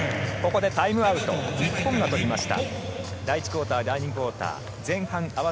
ここでタイムアウト、日本が取りました。